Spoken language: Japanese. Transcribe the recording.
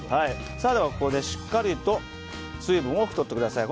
ここで、しっかりと水分を拭き取ってください。